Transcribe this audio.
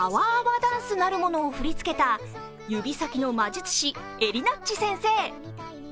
ダンスなるものを振り付けた指先の魔術師・えりなっち先生。